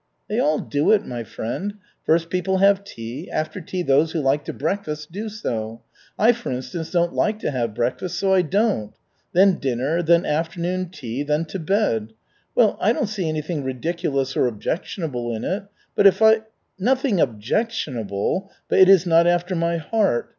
"They all do it, my friend. First people have tea, after tea those who like to breakfast do so. I, for instance, don't like to have breakfast, so I don't. Then dinner, then afternoon tea, then to bed. Well, I don't see anything ridiculous or objectionable in it. But if I " "Nothing objectionable; but it is not after my heart."